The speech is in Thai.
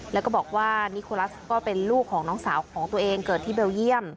แล้วก็บอกว่านิโคลัสก็เป็นลูกของน้องสาวของตัวเองเกิดที่เบลเยี่ยม